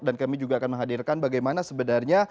dan kami juga akan menghadirkan bagaimana sebenarnya